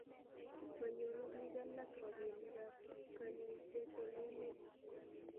manyoru biik alak robinikab kanyoiset eng' emet